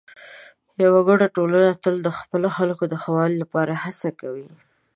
یوه ګډه ټولنه تل د خپلو خلکو د ښه والي لپاره هڅه کوي.